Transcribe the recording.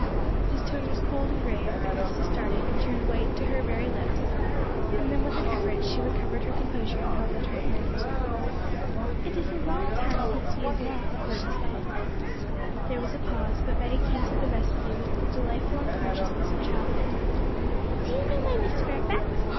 His tone was cold and grave; but Nesta started, and turned white to her very lips; then with an effort she recovered her composure, and held out her hand. 'It is a long time since we have met,' she said. There was a pause, but Betty came to the rescue with the delightful unconsciousness of childhood. 'Do you know my Miss Fairfax?'